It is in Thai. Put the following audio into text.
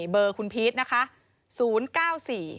เบอร์คุณพีชนะคะ๐๙๔๘๖๗๙๗๙๙ค่ะ